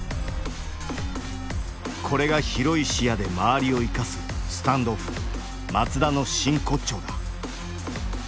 これが広い視野で周りを生かすスタンドオフ松田の真骨頂だ。